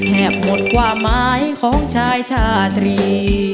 หมดความหมายของชายชาตรี